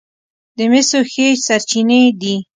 د مسو ښې سرچینې دي.